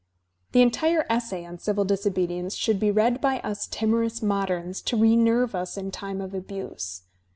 The entire essay on "Civil Disobedience" should be read by us timorous modems to renerve us in time of abuse.